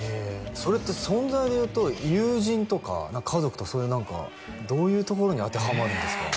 それって存在でいうと友人とか家族とかどういうところに当てはまるんですか？